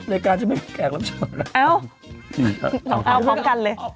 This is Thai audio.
รายการจะไม่มีแขกรับเชิญชัดเตอร์เมตรเอ้าพร้อมกันเลย